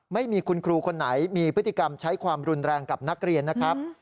ไม่มีคุณครูคนไหนมีพฤติกรรมใช้ความรุนแรงกับนักเรียนนะครับ